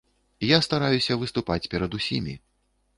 Я стараюся выступаць перад усімі.